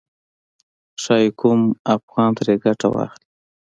ښايي کوم افغان ترې ګټه واخلي.